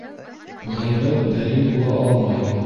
Ғәйбәт дәлил була алмай.